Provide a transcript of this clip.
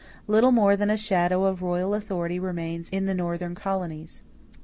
Little more than a shadow of royal authority remains in the Northern colonies."